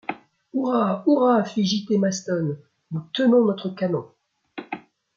Hurrah ! hurrah ! fit J. -T. Maston, nous tenons notre canon.